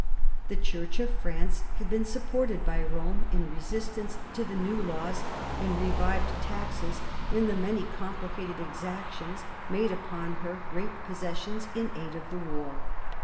The Church of France had been supported by Rome in resistance to the new laws and revived taxes and the many complicated exactions made upon her great possessions in aid of the war.